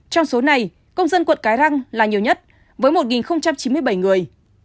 trong số này công dân quận cái răng là nhiều nhất với một chín mươi bảy người